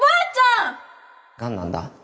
がんなんだ。